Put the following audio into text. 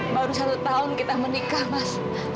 baru satu tahun kita menikah mas